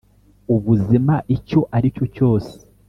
ubuzima icyo aricyo cyose.